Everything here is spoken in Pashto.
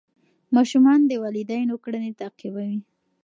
ماشومان د والدینو کړنې تعقیبوي.